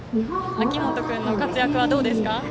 秋元君の活躍はどうですか？